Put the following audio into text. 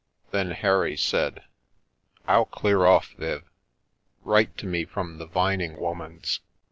Then Harry said: " 111 clear off, Viv. Write to me from the Vining woman's.